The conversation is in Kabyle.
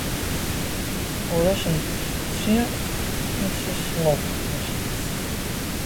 Ur asent-d-fessiɣ imsismeḍ-nsent.